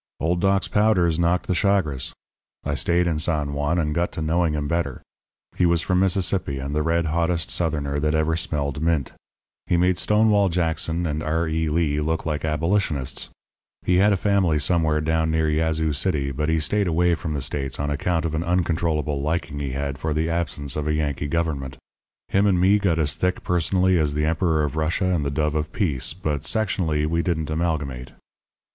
"Old Doc's powders knocked the chagres. I stayed in San Juan, and got to knowing him better. He was from Mississippi, and the red hottest Southerner that ever smelled mint. He made Stonewall Jackson and R. E. Lee look like Abolitionists. He had a family somewhere down near Yazoo City; but he stayed away from the States on account of an uncontrollable liking he had for the absence of a Yankee government. Him and me got as thick personally as the Emperor of Russia and the dove of peace, but sectionally we didn't amalgamate.